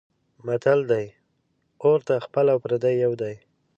متل دی: اور ته خپل او پردی یو دی.